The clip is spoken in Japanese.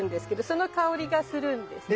その香りがするんですね。